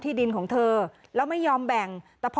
ไม่รู้จริงว่าเกิดอะไรขึ้น